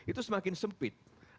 itu semakin sempit